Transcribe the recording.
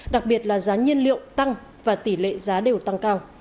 đặc biệt là giá nhiên liệu tăng và tỷ lệ giá đều tăng cao